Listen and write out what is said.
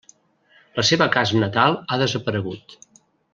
La seva casa natal ha desaparegut.